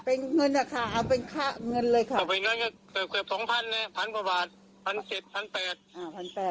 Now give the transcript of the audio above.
เป็นเงินอ่ะค่ะเอาเป็นค่าเงินเลยค่ะ